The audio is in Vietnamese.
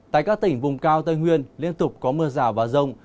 tại các tỉnh vùng cao tây nguyên liên tục có mưa rào và rông